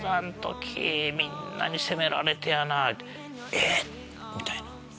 えっ⁉みたいな。